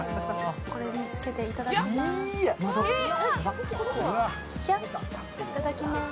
これにつけていただきます。